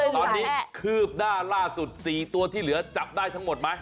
ตอนนี้คืบหน้าล่าสุด๔ตัวที่เหลือจับได้ทั้งหมดไหม